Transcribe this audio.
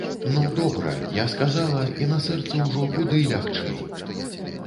Ну, добра, я сказала, і на сэрцы ўжо куды лягчэй!